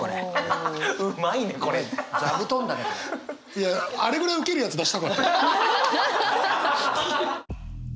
いやあれぐらいウケるやつ出したかった。